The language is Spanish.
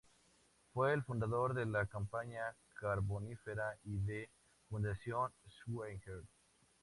Fue el fundador de la Compañía Carbonífera y de Fundición Schwager.